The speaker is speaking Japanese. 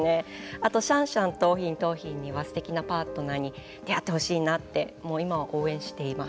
あとシャンシャン、桃浜桜浜にはすてきなパートナーに出合ってほしいなって今は応援しています。